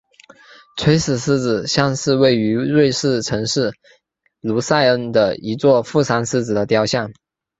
垂死狮子像是位于瑞士城市卢塞恩的一座负伤狮子的雕像。